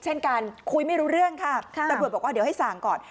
เช่นกันคุยไม่รู้เรื่องค่ะตำรวจบอกว่าเดี๋ยวให้สั่งก่อน